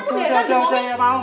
kenapa diangkatin momi